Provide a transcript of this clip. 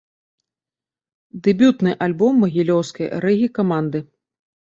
Дэбютны альбом магілёўскай рэгі-каманды.